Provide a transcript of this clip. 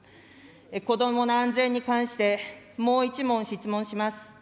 子どもの安全に関して、もう１問、質問します。